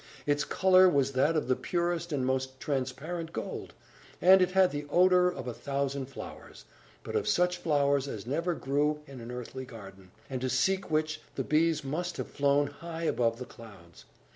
Its colour was that of the purest and most transparent gold; and it had the odour of a thousand flowers; but of such flowers as never grew in an earthly garden, and to seek which the bees must have flown high above the clouds.